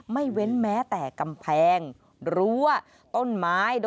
ไม่เว้นแม้แต่กำแพงรั้วต้นไม้